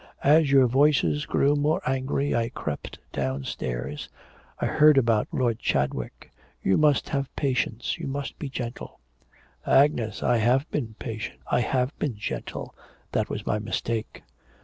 As your voices grew more angry I crept downstairs. I heard about Lord Chadwick. You must have patience; you must be gentle.' 'Agnes, I have been patient, I have been gentle. That was my mistake.'